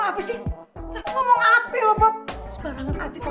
guys liberdek dia